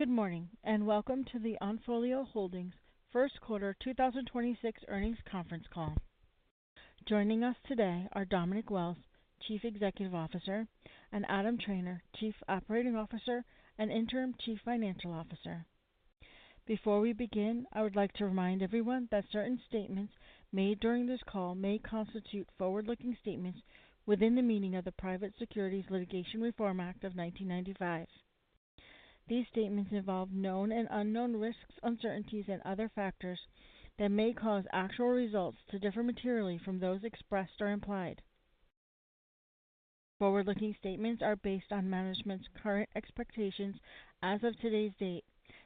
Good morning, and welcome to the Onfolio Holdings First Quarter 2026 Earnings Conference Call. Joining us today are Dominic Wells, Chief Executive Officer, and Adam Trainor, Chief Operating Officer and Interim Chief Financial Officer. Before we begin, I would like to remind everyone that certain statements made during this call may constitute forward-looking statements within the meaning of the Private Securities Litigation Reform Act of 1995. These statements involve known and unknown risks, uncertainties, and other factors that may cause actual results to differ materially from those expressed or implied. Forward-looking statements are based on management's current expectations as of today's date,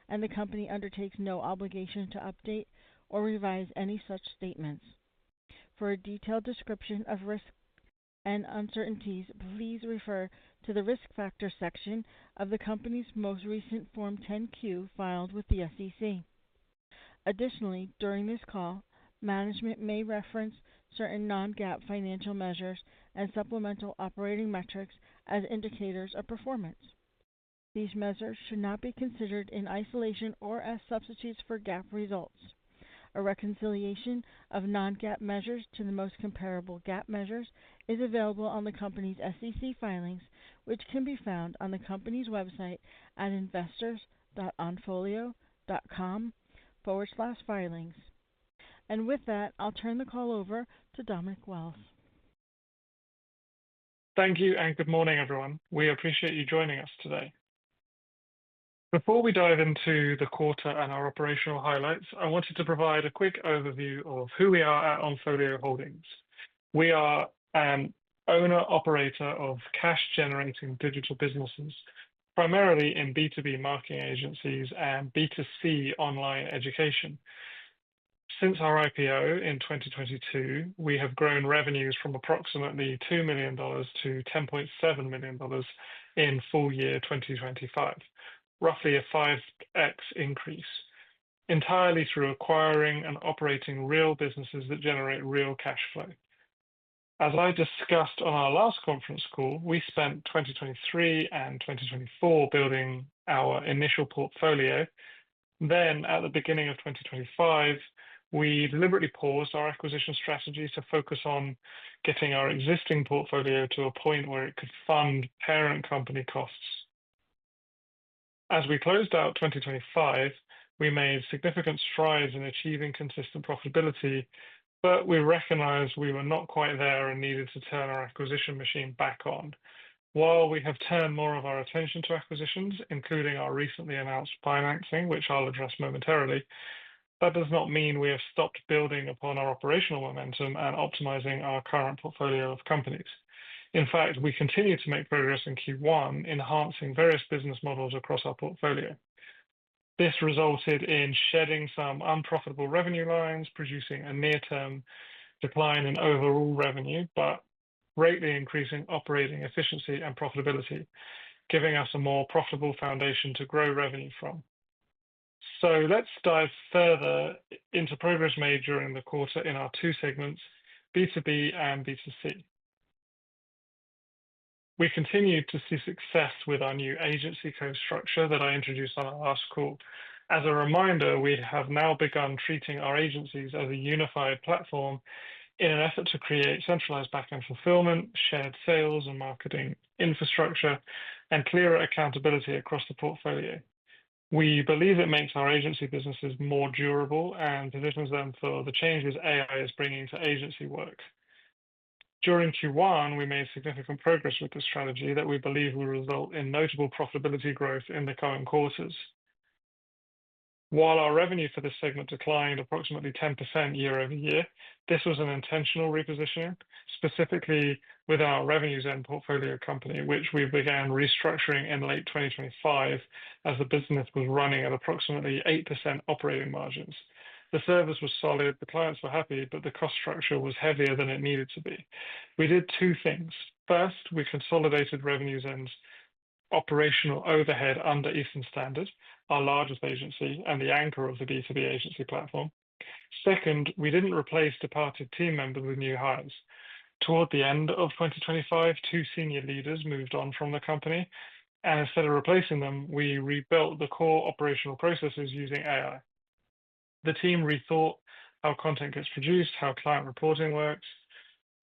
and the company undertakes no obligation to update or revise any such statements. For a detailed description of risks and uncertainties, please refer to the Risk Factors section of the company's most recent Form 10-Q filed with the SEC. Additionally, during this call, management may reference certain non-GAAP financial measures and supplemental operating metrics as indicators of performance. These measures should not be considered in isolation or as substitutes for GAAP results. A reconciliation of non-GAAP measures to the most comparable GAAP measures is available on the company's SEC filings, which can be found on the company's website at investors.onfolio.com/filings. With that, I'll turn the call over to Dominic Wells. Thank you, and good morning, everyone. We appreciate you joining us today. Before we dive into the quarter and our operational highlights, I wanted to provide a quick overview of who we are at Onfolio Holdings. We are an owner/operator of cash-generating digital businesses, primarily in B2B marketing agencies and B2C online education. Since our IPO in 2022, we have grown revenues from approximately $2 million-$10.7 million in the full year 2025, roughly a 5x increase, entirely through acquiring and operating real businesses that generate real cash flow. As I discussed on our last conference call, we spent 2023 and 2024 building our initial portfolio. At the beginning of 2025, we deliberately paused our acquisition strategy to focus on getting our existing portfolio to a point where it could fund parent company costs. As we closed out 2025, we made significant strides in achieving consistent profitability, but we recognized we were not quite there and needed to turn our acquisition machine back on. While we have turned more of our attention to acquisitions, including our recently announced financing, which I'll address momentarily, that does not mean we have stopped building upon our operational momentum and optimizing our current portfolio of companies. In fact, we continue to make progress in Q1, enhancing various business models across our portfolio. This resulted in shedding some unprofitable revenue lines, producing a near-term decline in overall revenue but greatly increasing operating efficiency and profitability, giving us a more profitable foundation to grow revenue from. Let's dive further into progress made during the quarter in our two segments, B2B and B2C. We continued to see success with our new AgencyCo structure that I introduced on our last call. As a reminder, we have now begun treating our agencies as a unified platform in an effort to create centralized backend fulfillment, shared sales and marketing infrastructure, and clearer accountability across the portfolio. We believe it makes our agency businesses more durable and positions them for the changes AI is bringing to agency work. During Q1, we made significant progress with this strategy that we believe will result in notable profitability growth in the coming quarters. While our revenue for this segment declined approximately 10% year-over-year, this was an intentional repositioning, specifically with our RevenueZen portfolio company, which we began restructuring in late 2025 as the business was running at approximately 8% operating margins. The service was solid, and the clients were happy, but the cost structure was heavier than it needed to be. We did two things. First, we consolidated RevenueZen's operational overhead under Eastern Standard, our largest agency and the anchor of the B2B agency platform. Second, we didn't replace departed team members with new hires. Toward the end of 2025, two senior leaders moved on from the company, and instead of replacing them, we rebuilt the core operational processes using AI. The team rethought how content gets produced, how client reporting works,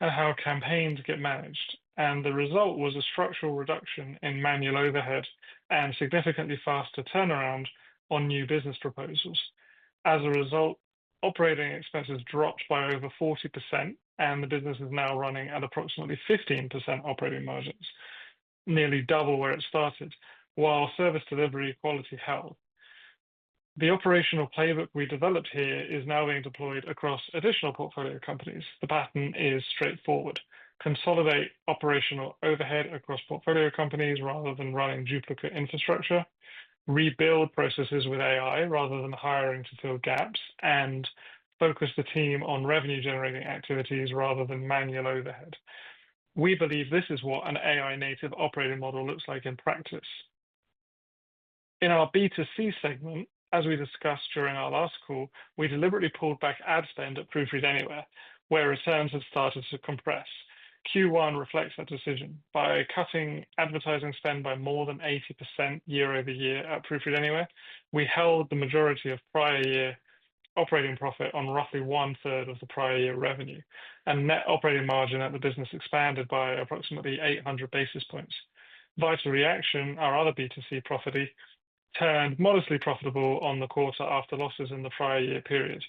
and how campaigns get managed. The result was a structural reduction in manual overhead and significantly faster turnaround on new business proposals. As a result, operating expenses dropped by over 40%, and the business is now running at approximately 15% operating margins, nearly double where it started, while service delivery quality held. The operational playbook we developed here is now being deployed across additional portfolio companies. The pattern is straightforward. Consolidate operational overhead across portfolio companies rather than running duplicate infrastructure, rebuild processes with AI rather than hiring to fill gaps, and focus the team on revenue-generating activities rather than manual overhead. We believe this is what an AI-native operating model looks like in practice. In our B2C segment, as we discussed during our last call, we deliberately pulled back ad spend at Proofread Anywhere, where returns have started to compress. Q1 reflects that decision. By cutting advertising spend by more than 80% year-over-year at Proofread Anywhere, we held the majority of the prior year's operating profit on roughly one-third of the prior year's revenue. Net operating margin at the business expanded by approximately 800 basis points. Vital Reaction, our other B2C property, turned modestly profitable on the quarter after losses in the prior year period.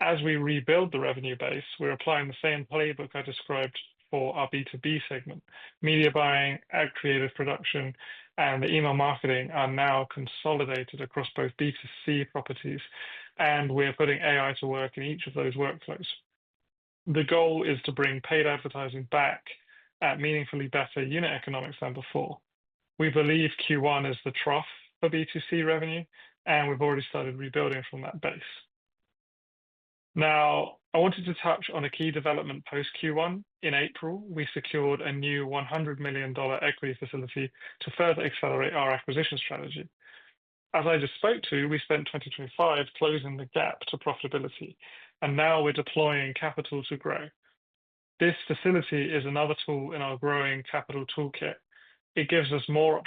As we rebuild the revenue base, we're applying the same playbook I described for our B2B segment. Media buying, ad creative production, and email marketing are now consolidated across both B2C properties, and we're putting AI to work in each of those workflows. The goal is to bring paid advertising back at meaningfully better unit economics than before. We believe Q1 is the trough for B2C revenue, and we've already started rebuilding from that base. I wanted to touch on a key development post Q1. In April, we secured a new $100 million equity facility to further accelerate our acquisition strategy. As I just spoke to, we spent 2025 closing the gap to profitability, and now we're deploying capital to grow. This facility is another tool in our growing capital toolkit. It gives us more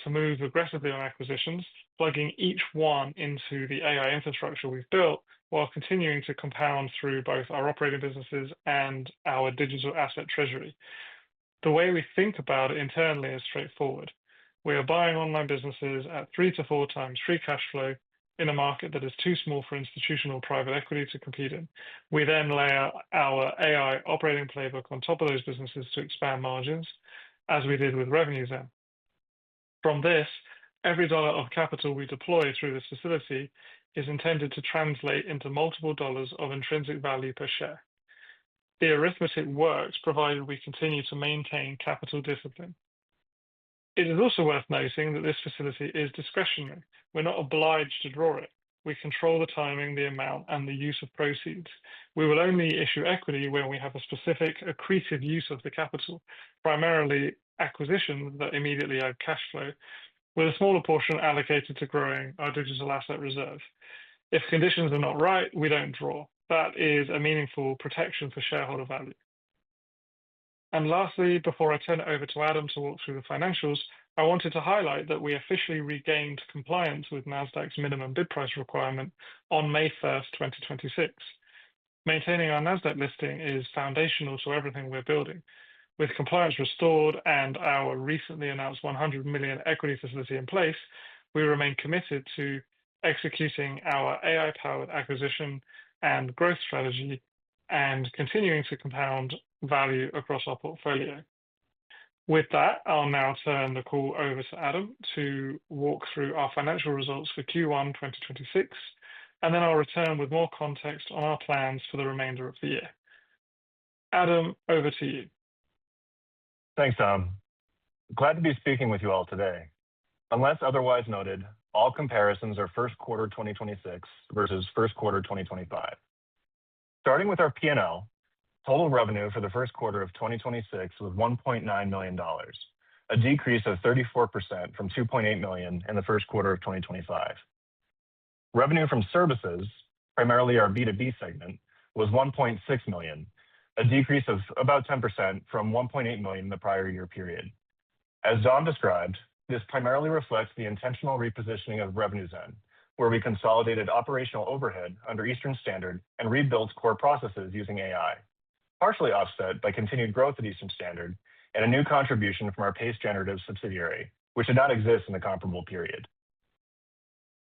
optionality to move aggressively on acquisitions, plugging each one into the AI infrastructure we've built, while continuing to compound through both our operating businesses and our digital asset treasury. The way we think about it internally is straightforward. We are buying online businesses three to four times free cash flow in a market that is too small for institutional private equity to compete in. We layer our AI operating playbook on top of those businesses to expand margins, as we did with RevenueZen. From this, every dollar of capital we deploy through this facility is intended to translate into multiple dollars of intrinsic value per share. The arithmetic works, provided we continue to maintain capital discipline. It is also worth noting that this facility is discretionary. We're not obliged to draw it. We control the timing, the amount, and the use of proceeds. We will only issue equity when we have a specific accretive use of the capital, primarily acquisitions that immediately add cash flow, with a smaller portion allocated to growing our digital asset reserve. If conditions are not right, we don't draw. That is a meaningful protection for shareholder value. Lastly, before I turn it over to Adam to walk through the financials, I wanted to highlight that we officially regained compliance with Nasdaq's minimum bid price requirement on May 1, 2025. Maintaining our Nasdaq listing is foundational to everything we're building. With compliance restored and our recently announced $100 million equity facility in place, we remain committed to executing our AI-powered acquisition and growth strategy and continuing to compound value across our portfolio. With that, I'll now turn the call over to Adam to walk through our financial results for Q1 2026, and then I'll return with more context on our plans for the remainder of the year. Adam, over to you. Thanks, Dom. Glad to be speaking with you all today. Unless otherwise noted, all comparisons are first quarter 2026 versus first quarter 2025. Starting with our P&L, total revenue for the first quarter of 2026 was $1.9 million, a decrease of 34% from $2.8 million in the first quarter of 2025. Revenue from services, primarily our B2B segment, was $1.6 million, a decrease of about 10% from $1.8 million in the prior-year period. As Dom described, this primarily reflects the intentional repositioning of RevenueZen, where we consolidated operational overhead under Eastern Standard and rebuilt core processes using AI, partially offset by continued growth at Eastern Standard and a new contribution from our Pace Generative subsidiary, which did not exist in the comparable period.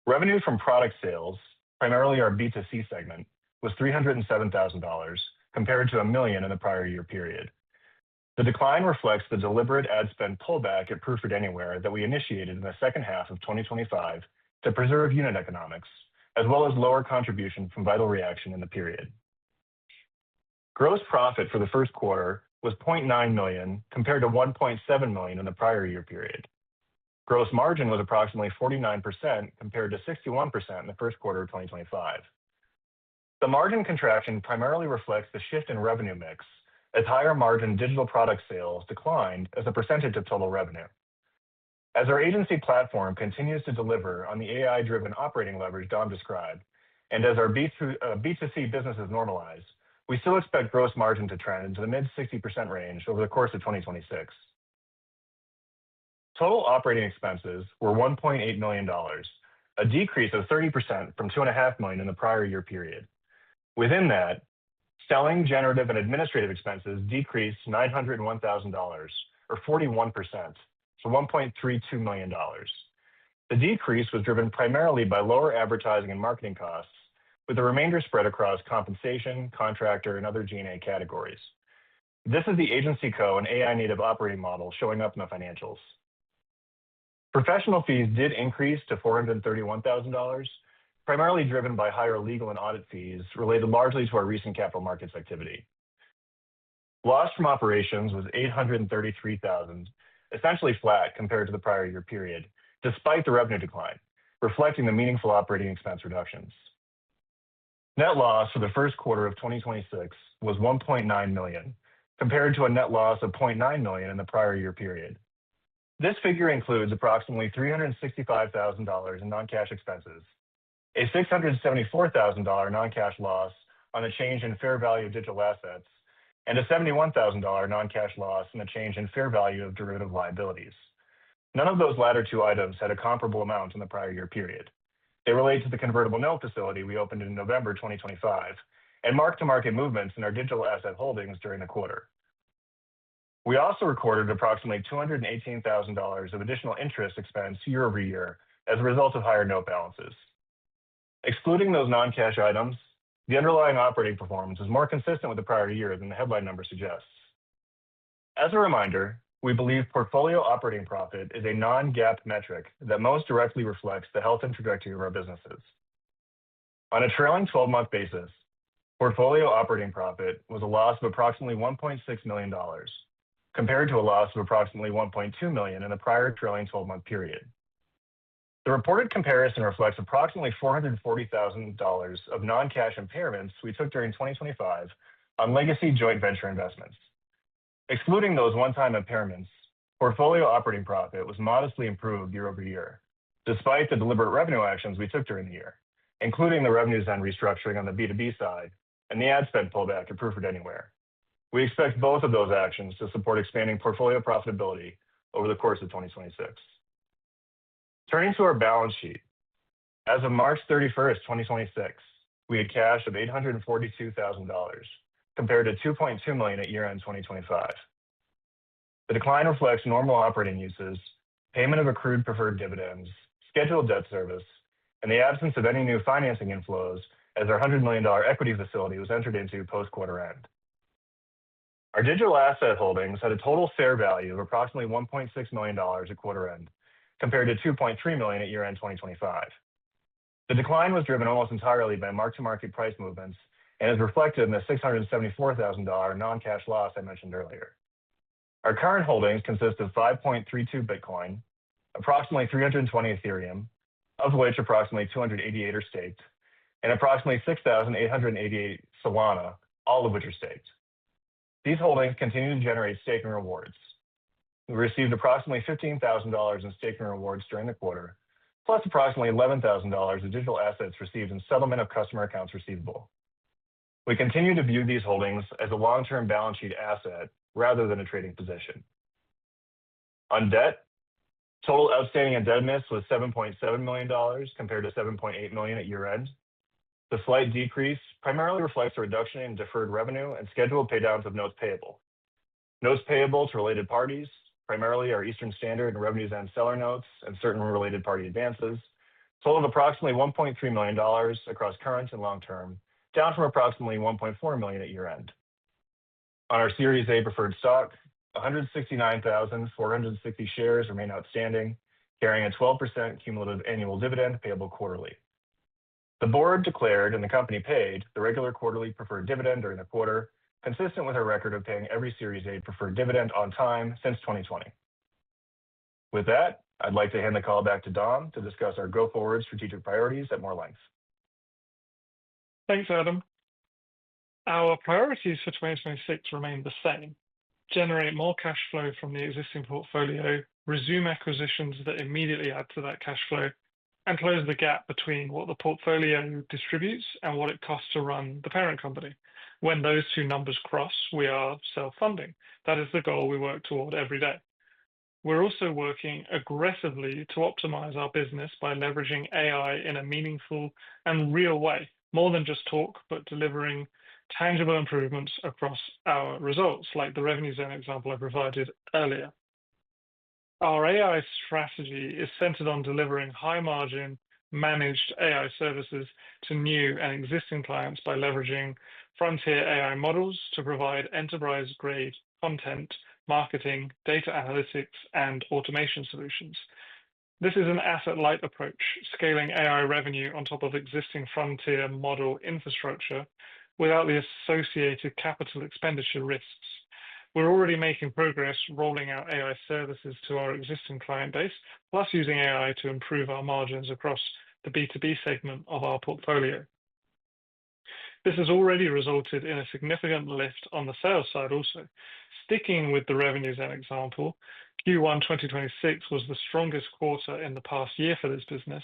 Revenue from product sales, primarily our B2C segment, was $307,000 compared to $1 million in the prior-year period. The decline reflects the deliberate ad spend pullback at Proofread Anywhere that we initiated in the second half of 2025 to preserve unit economics as well as lower contributions from Vital Reaction in the period. Gross profit for the first quarter was $0.9 million compared to $1.7 million in the prior-year period. Gross margin was approximately 49% compared to 61% in the first quarter of 2025. The margin contraction primarily reflects the shift in revenue mix as higher-margin digital product sales declined as a percentage of total revenue. As our agency platform continues to deliver on the AI-driven operating leverage Dom described, and as our B2C business is normalized, we still expect gross margin to trend to the mid 60% range over the course of 2026. Total operating expenses were $1.8 million, a decrease of 30% from two and a half million in the prior-year period. Within that, selling, general, and administrative expenses decreased $901,000 or 41%, to $1.32 million. The decrease was driven primarily by lower advertising and marketing costs, with the remainder spread across compensation, contractor, and other G&A categories. This is The AgencyCo and AI native operating model showing up in the financials. Professional fees did increase to $431,000, primarily driven by higher legal and audit fees related largely to our recent capital markets activity. Loss from operations was $833,000, essentially flat compared to the prior year period, despite the revenue decline, reflecting the meaningful operating expense reductions. Net loss for the first quarter of 2026 was $1.9 million, compared to a net loss of $0.9 million in the prior-year period. This figure includes approximately $365,000 in non-cash expenses, a $674,000 non-cash loss on the change in fair value of digital assets, and a $71,000 non-cash loss in the change in fair value of derivative liabilities. None of those latter two items had a comparable amount in the prior year period. They relate to the convertible note facility we opened in November 2025 and mark-to-market movements in our digital asset holdings during the quarter. We also recorded approximately $218,000 of additional interest expense year-over-year as a result of higher note balances. Excluding those non-cash items, the underlying operating performance is more consistent with the prior year than the headline number suggests. As a reminder, we believe portfolio operating profit is a non-GAAP metric that most directly reflects the health and trajectory of our businesses. On a trailing 12-month basis, portfolio operating profit was a loss of approximately $1.6 million compared to a loss of approximately $1.2 million in the prior trailing 12-month period. The reported comparison reflects approximately $440,000 of non-cash impairments we took during 2025 on legacy joint venture investments. Excluding those one-time impairments, portfolio operating profit was modestly improved year-over-year despite the deliberate revenue actions we took during the year, including the RevenueZen restructuring on the B2B side and the ad spend pullback at Proofread Anywhere. We expect both of those actions to support expanding portfolio profitability over the course of 2026. Turning to our balance sheet. As of March 31, 2026, we had cash of $842,000 compared to $2.2 million at year-end 2025. The decline reflects normal operating uses, payment of accrued preferred dividends, scheduled debt service, and the absence of any new financing inflows, as our $100 million equity facility was entered into post quarter-end. Our digital asset holdings had a total fair value of approximately $1.6 million at quarter end compared to $2.3 million at year-end 2025. The decline was driven almost entirely by mark-to-market price movements and is reflected in the $674,000 non-cash loss I mentioned earlier. Our current holdings consist of 5.32 Bitcoin, approximately 320 Ethereum, of which approximately 288 Ethereum are staked, and approximately 6,888 Solana, all of which are staked. These holdings continue to generate staking rewards. We received approximately $15,000 in staking rewards during the quarter, plus approximately $11,000 in digital assets received in settlement of customer accounts receivable. We continue to view these holdings as a long-term balance sheet asset rather than a trading position. In debt, total outstanding indebtedness was $7.7 million compared to $7.8 million at year-end. The slight decrease primarily reflects a reduction in deferred revenue and scheduled paydowns of notes payable. Notes payable to related parties, primarily our Eastern Standard and RevenueZen seller notes and certain related party advances, totaled approximately $1.3 million across current and long-term, down from approximately $1.4 million at year-end. On our Series A preferred stock, 169,460 shares remain outstanding, carrying a 12% cumulative annual dividend payable quarterly. The board declared, and the company paid, the regular quarterly preferred dividend during the quarter, consistent with our record of paying every Series A preferred dividend on time since 2020. With that, I'd like to hand the call back to Dom to discuss our go-forward strategic priorities at more length. Thanks, Adam. Our priorities for 2026 remain the same. Generate more cash flow from the existing portfolio, resume acquisitions that immediately add to that cash flow, and close the gap between what the portfolio distributes and what it costs to run the parent company. When those two numbers cross, we are self-funding. That is the goal we work toward every day. We're also working aggressively to optimize our business by leveraging AI in a meaningful and real way, more than just talk, but delivering tangible improvements across our results, like the RevenueZen example I provided earlier. Our AI strategy is centered on delivering high-margin managed AI services to new and existing clients by leveraging frontier AI models to provide enterprise-grade content, marketing, data analytics, and automation solutions. This is an asset-light approach, scaling AI revenue on top of existing frontier model infrastructure without the associated capital expenditure risks. We're already making progress rolling out AI services to our existing client base, plus using AI to improve our margins across the B2B segment of our portfolio. This has already resulted in a significant lift on the sales side also. Sticking with the RevenueZen example, Q1 2026 was the strongest quarter in the past year for this business,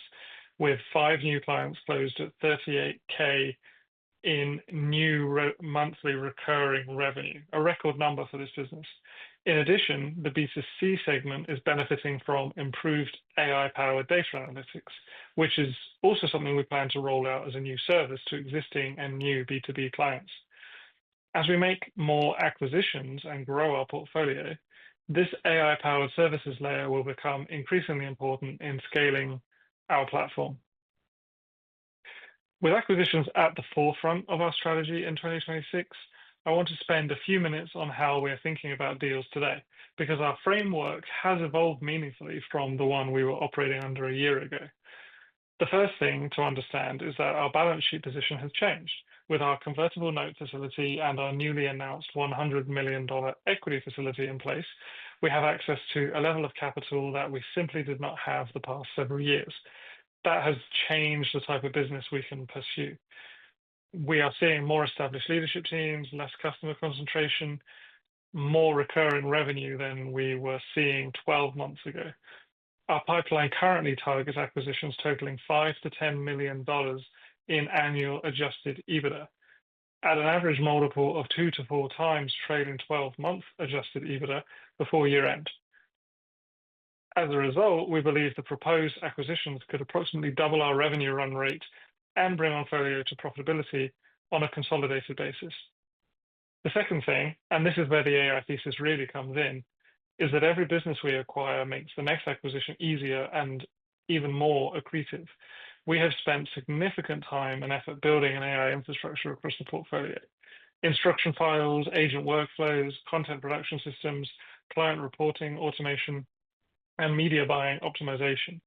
with five new clients closed at $38K in new monthly recurring revenue, a record number for this business. In addition, the B2C segment is benefiting from improved AI-powered data analytics, which is also something we plan to roll out as a new service to existing and new B2B clients. As we make more acquisitions and grow our portfolio, this AI-powered services layer will become increasingly important in scaling our platform. With acquisitions at the forefront of our strategy in 2026, I want to spend a few minutes on how we are thinking about deals today because our framework has evolved meaningfully from the one we were operating under a year ago. The first thing to understand is that our balance sheet position has changed. With our convertible note facility and our newly announced $100 million equity facility in place, we have access to a level of capital that we simply did not have the past several years. That has changed the type of business we can pursue. We are seeing more established leadership teams, less customer concentration, and more recurring revenue than we were seeing 12 months ago. Our pipeline currently targets acquisitions totaling $5 million-$10 million in annual adjusted EBITDA at an average multiple of 2-4x trading 12-month adjusted EBITDA before year-end. As a result, we believe the proposed acquisitions could approximately double our revenue run rate and bring our portfolio to profitability on a consolidated basis. The second thing, and this is where the AI thesis really comes in, is that every business we acquire makes the next acquisition easier and even more accretive. We have spent significant time and effort building an AI infrastructure across the portfolio. Instruction files, agent workflows, content production systems, client reporting, automation, and media buying optimization.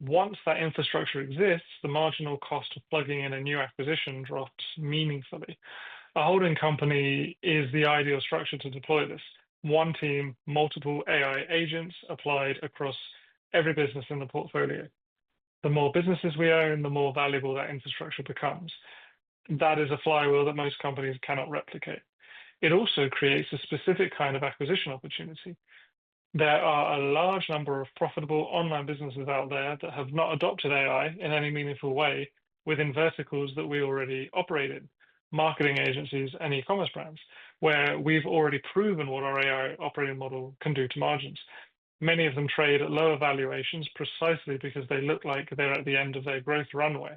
Once that infrastructure exists, the marginal cost of plugging in a new acquisition drops meaningfully. A holding company is the ideal structure to deploy this. One team, multiple AI agents applied across every business in the portfolio. The more businesses we own, the more valuable that infrastructure becomes. That is a flywheel that most companies cannot replicate. It also creates a specific kind of acquisition opportunity. There are a large number of profitable online businesses out there that have not adopted AI in any meaningful way within verticals that we already operate in, marketing agencies and e-commerce brands, where we've already proven what our AI operating model can do to margins. Many of them trade at lower valuations precisely because they look like they're at the end of their growth runway.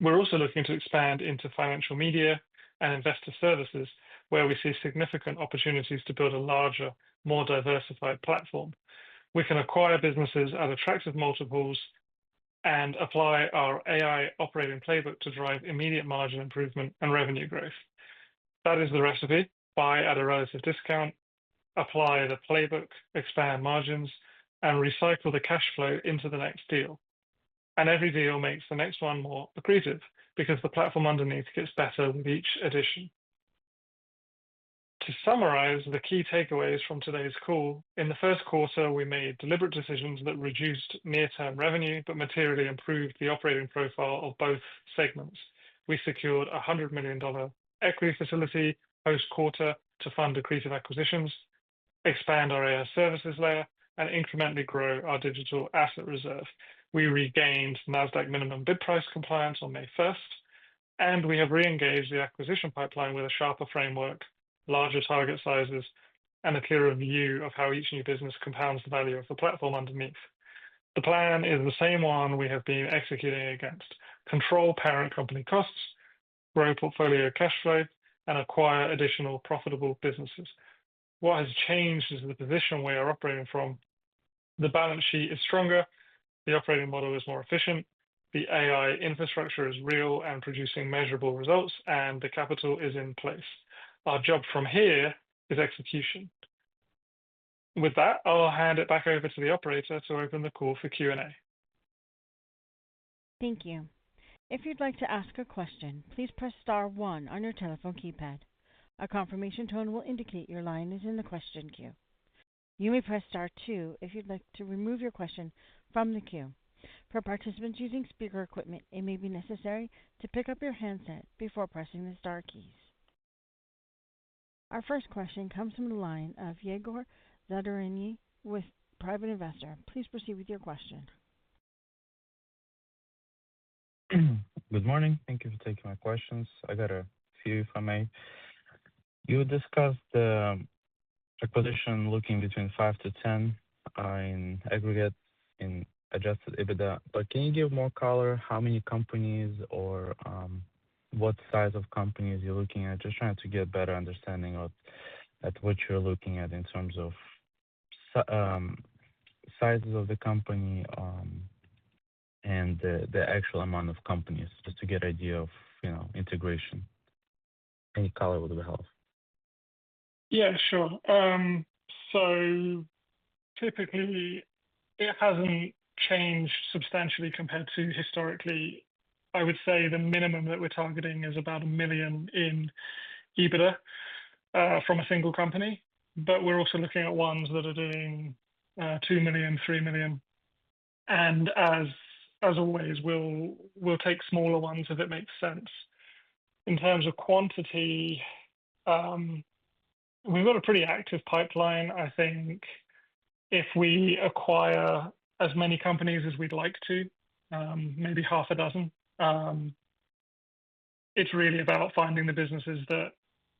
We're also looking to expand into financial media and investor services, where we see significant opportunities to build a larger, more diversified platform. We can acquire businesses at attractive multiples and apply our AI operating playbook to drive immediate margin improvement and revenue growth. That is the recipe. Buy at a relative discount, apply the playbook, expand margins, and recycle the cash flow into the next deal. Every deal makes the next one more accretive because the platform underneath gets better with each addition. To summarize the key takeaways from today's call, in the first quarter, we made deliberate decisions that reduced near-term revenue but materially improved the operating profile of both segments. We secured a $100 million equity facility post-quarter to fund accretive acquisitions, expand our AI services layer, and incrementally grow our digital asset reserve. We regained Nasdaq minimum bid price compliance on May first, and we have reengaged the acquisition pipeline with a sharper framework, larger target sizes, and a clearer view of how each new business compounds the value of the platform beneath. The plan is the same one we have been executing against. Control parent company costs, grow portfolio cash flow, and acquire additional profitable businesses. What has changed is the position we are operating from. The balance sheet is stronger, the operating model is more efficient, the AI infrastructure is real and producing measurable results, and the capital is in place. Our job from here is execution. With that, I'll hand it back over to the operator to open the call for Q&A. Thank you. If you'd like to ask a question, please press star one on your telephone keypad. A confirmation tone will indicate your line is in the question queue. You may press star two if you'd like to remove your question from the queue. For participants using speaker equipment, it may be necessary to pick up your handset before pressing the star keys. Our first question comes from the line of Yegor Zadoriny with Private Investor. Please proceed with your question. Good morning. Thank you for taking my questions. I got a few, if I may. You discussed acquisition looking between $5-$10 in aggregate in adjusted EBITDA, can you give more color on how many companies or what size of companies you're looking at? Just trying to get a better understanding of what you're looking at in terms of sizes of the company and the actual amount of companies, just to get an idea of, you know, integration. Any color would be helpful. Sure. Typically it hasn't changed substantially compared to historically. I would say the minimum that we're targeting is about $1 million in EBITDA from a single company, but we're also looking at ones that are doing $2 million or $3 million. As always, we'll take smaller ones if it makes sense. In terms of quantity, we've got a pretty active pipeline. I think if we acquire as many companies as we'd like to, maybe half a dozen, it's really about finding the businesses that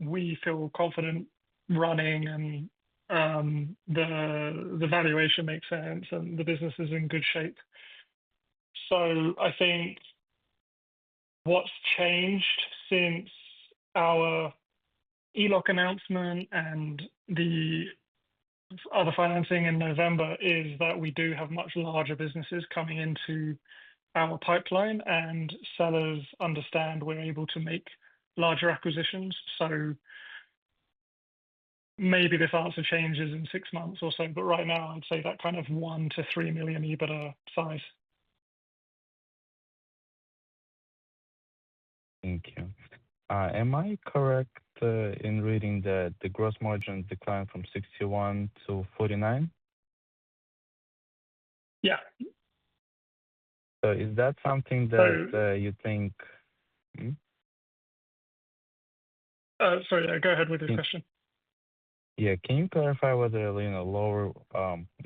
we feel confident running and the valuation makes sense and the business is in good shape. I think what's changed since our ELOC announcement and the other financing in November is that we do have much larger businesses coming into our pipeline, and sellers understand we're able to make larger acquisitions. Maybe this answer changes in six months or so, but right now, I'd say that kind of $1 million-$3 million EBITDA size. Thank you. Am I correct in reading that the gross margin declined from 61%-49%? Yeah. Is that something? So- You think? Mm-hmm. Sorry. Go ahead with your question. Yeah. Can you clarify whether, you know, lower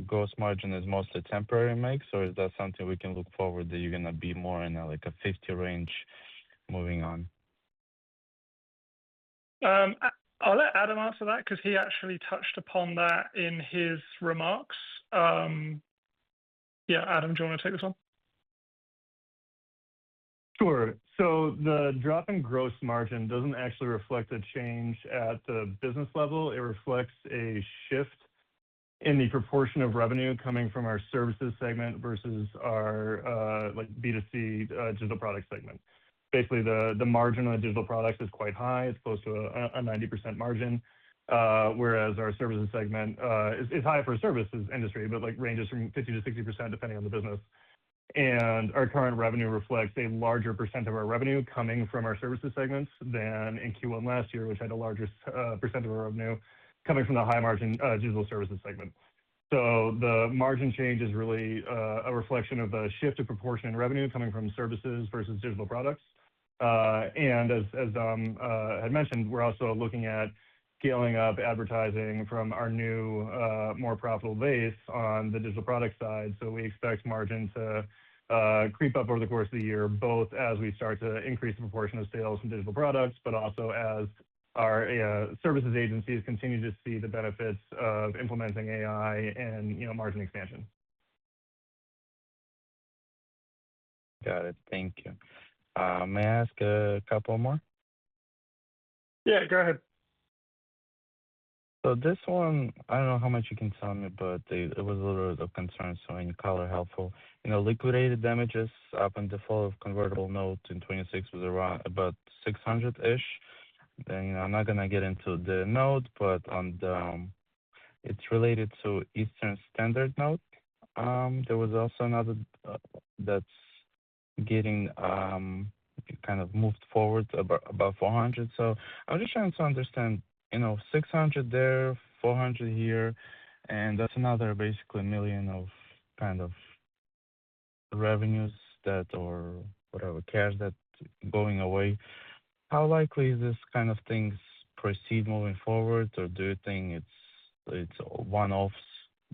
gross margin is mostly a temporary mix, or is that something we can look forward to, that you're going to be more in, like, a 50 range moving on? I'll let Adam answer that because he actually touched upon that in his remarks. Yeah, Adam, do you want to take this one? Sure. The drop in gross margin doesn't actually reflect a change at the business level. It reflects a shift in the proportion of revenue coming from our services segment versus our like B2C digital product segment. Basically, the margin on a digital product is quite high. It's close to a 90% margin. Whereas our services segment is high for a services industry, it's like ranges from 50%-60%, depending on the business. Our current revenue reflects a larger percent of our revenue coming from our services segments than in Q1 last year, which had a larger percent of our revenue coming from the high-margin digital services segment. The margin change is really a reflection of a shift of proportion in revenue coming from services versus digital products. As had been mentioned, we're also looking at scaling up advertising from our new more profitable base on the digital product side. We expect margin to creep up over the course of the year, both as we start to increase the proportion of sales in digital products and as our service agencies continue to see the benefits of implementing AI and, you know, margin expansion. Got it. Thank you. May I ask a couple more? Yeah, go ahead. This one, I don't know how much you can tell me, but it was a little bit of a concern, so any color is helpful. You know, liquidated damages up in default of convertible notes in 2026 were around about $600-ish. You know, I'm not going to get into the note, but on the it's related to Eastern Standard note. There was also another that's getting kind of moved forward about $400. I was just trying to understand, you know, $600 there, $400 here, and that's another basically $1 million of kind of revenuesor whatever cash that's going away. How likely is this kind of thing to proceed moving forward, or do you think it's one-offs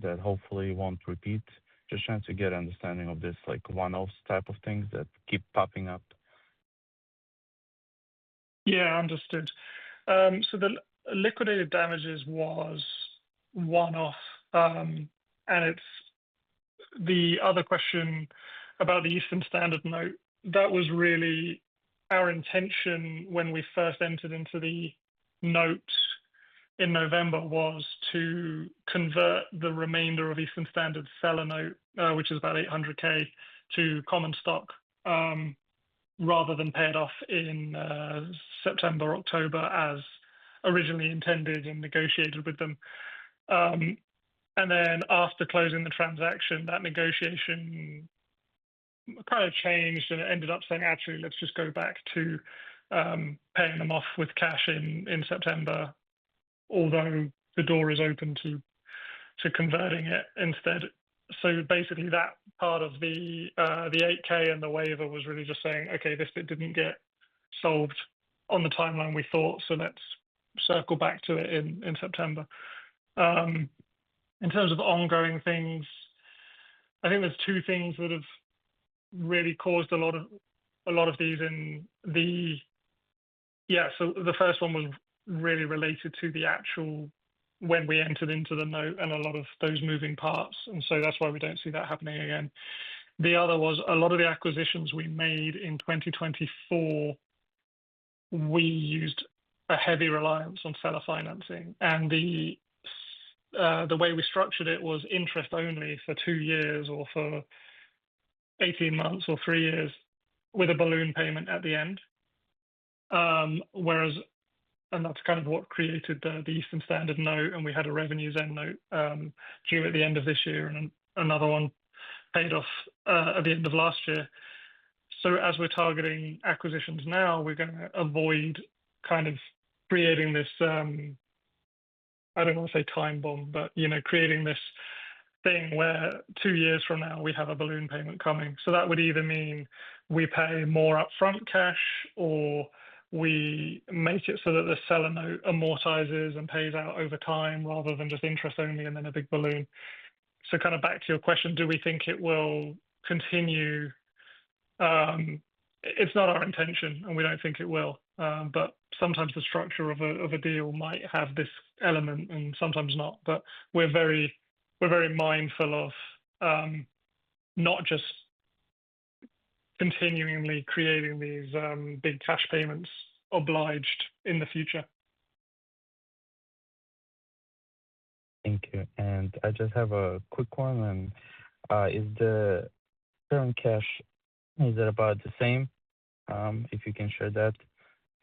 that hopefully won't repeat? I am just trying to get understanding of this, like one-off type of things that keep popping up. Yeah, understood. The liquidated damages were one-off. The other question about the Eastern Standard note, which was really our intention when we first entered into the note in November, was to convert the remainder of the Eastern Standard seller note, which is about $800K, to common stock, rather than pay it off in September or October as originally intended and negotiated with them. After closing the transaction, that negotiation kind of changed, and it ended up saying, Actually, let's just go back to paying them off with cash in September, although the door is open to converting it instead. Basically that part of the 8-K and the waiver was really just saying, Okay, this bit didn't get solved on the timeline we thought, so let's circle back to it in September. In terms of ongoing things, I think there are two things that have really caused a lot of these. The first one was really related to the actual when we entered into the note and a lot of those moving parts, and that's why we don't see that happening again. The other was a lot of the acquisitions we made in 2024, we used a heavy reliance on seller financing. The way we structured it was interest-only for two years or for 18 months or three years with a balloon payment at the end. Whereas that's kind of what created the Eastern Standard note, and we had a RevenueZen note due at the end of this year and another one paid off at the end of last year. As we're targeting acquisitions now, we're going to avoid kind of creating this—I don't want to say time bomb, but you know, creating this thing where two years from now we have a balloon payment coming. That would either mean we pay more upfront cash or we make it so that the seller note amortizes and pays out over time rather than just interest only and then a big balloon. Kind of back to your question, do we think it will continue? It's not our intention, and we don't think it will be. Sometimes the structure of a deal might have this element, and sometimes not. We're very mindful of not just continually creating these big cash payments obliged in the future. Thank you. I just have a quick one. Is the current cash about the same? If you can share that,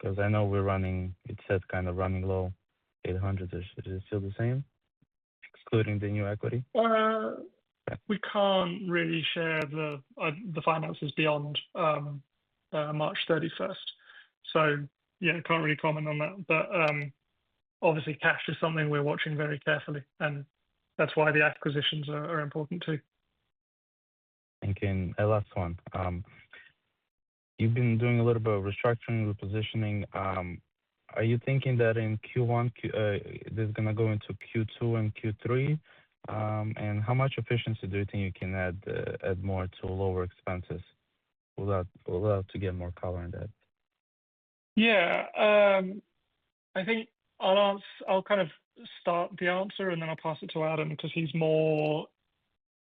because I know we're running, it says kind of running low, $800-ish. Is it still the same, excluding the new equity? We can't really share the finances beyond March 31st. Yeah, can't really comment on that. Obviously cash is something we're watching very carefully, and that's why the acquisitions are important too. Thank you. Last one. You've been doing a little bit of restructuring and repositioning. Are you thinking that in Q1, this is gonna go into Q2 and Q3? How much more efficiency do you think you can add to lower expenses? Would love to get more color on that. Yeah. I think I'll kind of start the answer, and then I'll pass it to Adam because he's more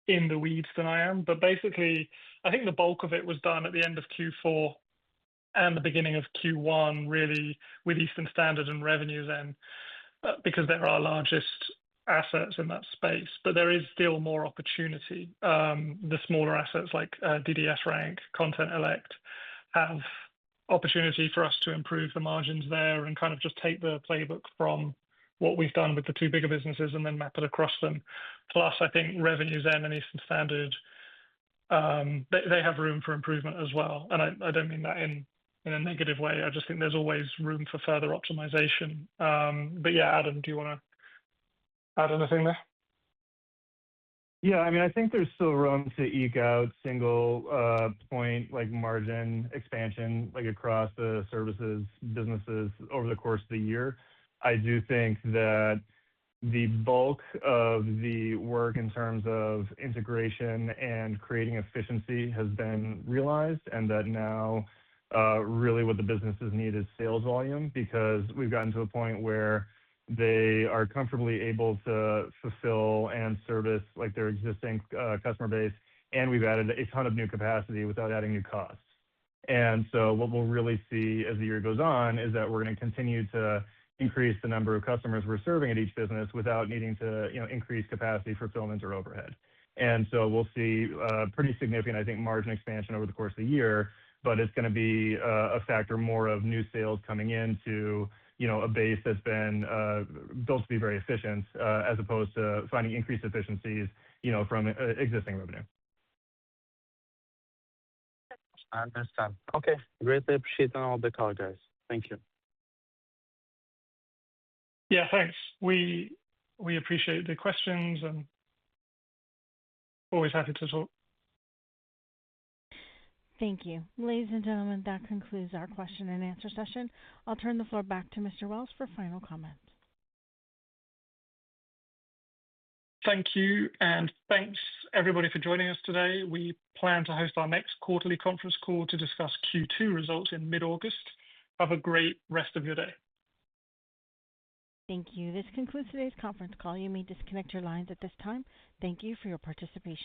in the weeds than I am. Basically, I think the bulk of it was done at the end of Q4 and the beginning of Q1, really with Eastern Standard and RevenueZen, because they're our largest assets in that space. The smaller assets like DDSRank and Contentellect have an opportunity for us to improve the margins there and kind of just take the playbook from what we've done with the two bigger businesses and then map it across them. I think RevenueZen and Eastern Standard have room for improvement as well. I don't mean that in a negative way. I just think there's always room for further optimization. Yeah, Adam, do you want to add anything there? I mean, I think there's still room to eke out a single-point margin expansion across the services businesses over the course of the year. I do think that the bulk of the work in terms of integration and creating efficiency has been realized and that now, really, what the businesses need is sales volume. We've gotten to a point where they are comfortably able to fulfill and service their existing customer base, and we've added a ton of new capacity without adding new costs. What we'll really see as the year goes on is that we're going to continue to increase the number of customers we're serving at each business without needing to, you know, increase capacity, fulfillment, or overhead. We'll see pretty significant, I think, margin expansion over the course of the year, but it's going to be a factor more of new sales coming in, you know, to a base that's been built to be very efficient, as opposed to finding increased efficiencies, you know, from existing revenue. I understand. Okay. Greatly appreciate all the color, guys. Thank you. Yeah, thanks. We appreciate the questions and are always happy to talk. Thank you. Ladies and gentlemen, that concludes our question-and-answer session. I will turn the floor back to Mr. Wells for final comments. Thank you, and thanks, everybody, for joining us today. We plan to host our next quarterly conference call to discuss Q2 results in mid-August. Have a great rest of your day. Thank you. This concludes today's conference call. You may disconnect your lines at this time. Thank you for your participation.